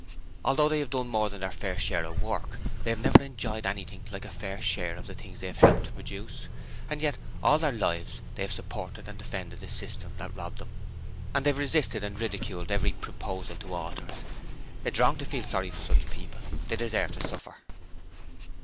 Although they have done more than their fair share of the work, they have never enjoyed anything like a fair share of the things they have helped to produce. And yet, all their lives they have supported and defended the system that robbed them, and have resisted and ridiculed every proposal to alter it. It's wrong to feel sorry for such people; they deserve to suffer.'